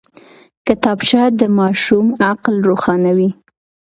کتابچه د ماشوم عقل روښانوي